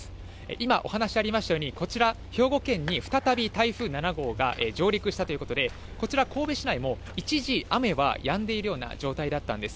今、お話ありましたように、こちら、兵庫県に再び台風７号が上陸したということで、こちら、神戸市内も一時雨はやんでいるような状態だったんです。